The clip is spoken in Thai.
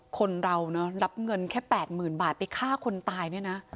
คนเรารับเงินแค่แปดหมื่นบาทไปฆ่าคนตาย